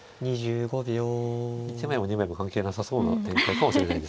１枚も２枚も関係なさそうな展開かもしれないですね。